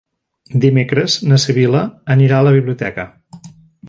Dimecres na Sibil·la anirà a la biblioteca.